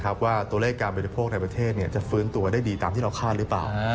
ว่าตัวเลขการบริโภคในประเทศจะฟื้นตัวได้ดีตามที่เราคาดหรือเปล่า